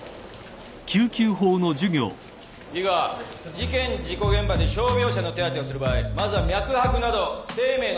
事件事故現場で傷病者の手当てをする場合まずは脈拍など生命の兆候を観察する。